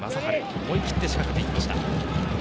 思い切って仕掛けていきました。